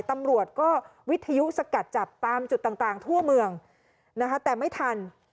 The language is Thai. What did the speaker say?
ตำรวจก็วิทยุสกัดจับตามจุดต่างทั่วเมืองนะคะแต่ไม่ทัน